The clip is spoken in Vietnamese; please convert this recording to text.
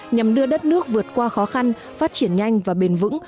nhằm đưa đất nước vượt qua khó khăn phát triển nhanh và bền vững